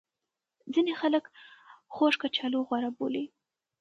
ځینې خلک خوږ کچالو غوره بولي.